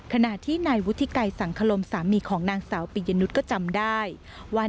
ขณะที่นายวุฒิไกรสังคลมสามีของนางสาวปิยนุษย์ก็จำได้ว่า